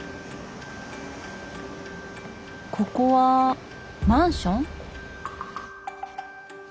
ここはマンション？